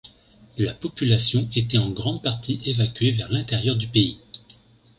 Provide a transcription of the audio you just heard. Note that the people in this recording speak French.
La population était en grande partie évacuée vers l'intérieur du pays.